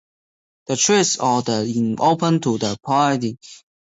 The church of the is open to the public and may be visited.